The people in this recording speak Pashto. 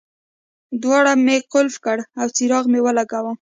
دروازه مې قلف کړه او څراغ مې ولګاوه.